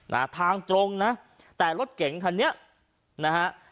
นะฮะทางตรงนะแต่รถเก๋งคันนี้นะฮะ